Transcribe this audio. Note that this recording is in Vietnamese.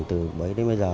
từ bấy đến bây giờ